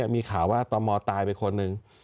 มีข่าวว่าตมตายไปคนหนึ่ง